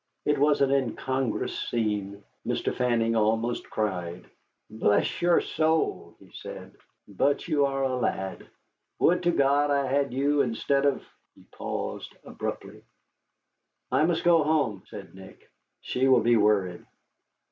It was an incongruous scene. Mr. Fanning almost cried. "Bless your soul," he said, "but you are a lad. Would to God I had you instead of " He paused abruptly. "I must go home," said Nick; "she will be worried."